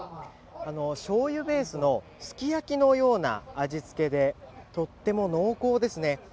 しょうゆベースのすき焼きのような味つけでとっても濃厚ですね。